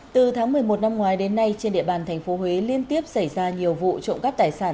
từ tháng một mươi một năm ngoái đến nay trên địa bàn tp huế liên tiếp xảy ra nhiều vụ trộm cắp tài sản